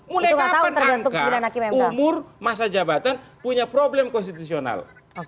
mulai kapan angka umur masa jabatan punya problem konstitusional